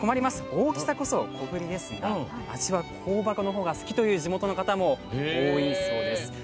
大きさこそ、小ぶりですが味は香箱のほうが好きという地元の方も多いそうです。